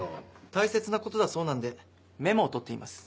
大切なことだそうなんでメモを取っています。